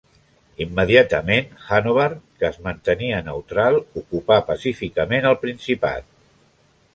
Immediatament Hannover, que es mantenia neutral, ocupà pacíficament el principat.